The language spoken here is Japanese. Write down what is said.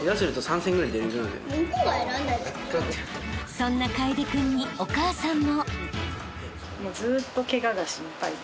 ［そんな楓君にお母さんも］